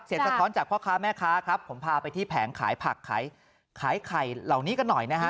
สะท้อนจากพ่อค้าแม่ค้าครับผมพาไปที่แผงขายผักขายไข่เหล่านี้กันหน่อยนะฮะ